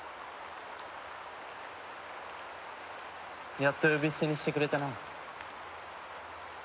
やっと呼び捨てにしてくれたな。